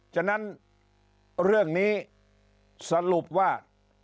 ฉะนั้นเรื่องนี้สรุปว่า